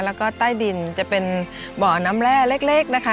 แล้วก็ใต้ดินจะเป็นบ่อน้ำแร่เล็กนะคะ